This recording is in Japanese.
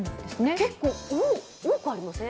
結構多くありません？